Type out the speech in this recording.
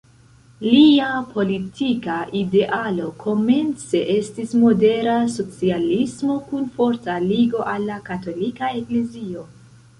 Lia politika idealo komence estis modera socialismo kun forta ligo al la katolika eklezio.